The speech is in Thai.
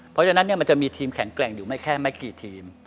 เพราะฉะนั้นมันจะมีทีมแข็งแกร่งอยู่ไม่แค่ไม่กี่ทีม